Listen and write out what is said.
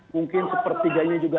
mungkin sepertiganya juga